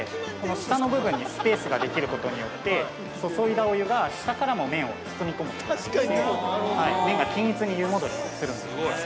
下の部分にスペースができることによってそそいだお湯が、下からも麺を包み込むことができて麺が均一に湯戻りするんですね。